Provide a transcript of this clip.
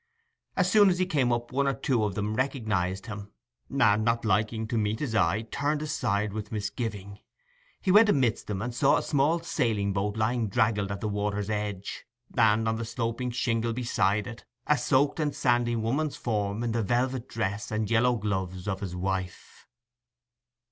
As soon as he came up one or two recognized him, and, not liking to meet his eye, turned aside with misgiving. He went amidst them and saw a small sailing boat lying draggled at the water's edge; and, on the sloping shingle beside it, a soaked and sandy woman's form in the velvet dress and yellow gloves of his wife.